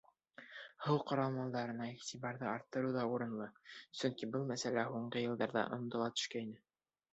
Һыу ҡоролмаларына иғтибарҙы арттырыу ҙа урынлы, сөнки был мәсьәлә һуңғы йылдарҙа онотола төшкәйне.